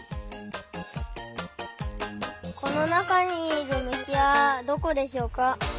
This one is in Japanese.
このなかにいるむしはどこでしょうか？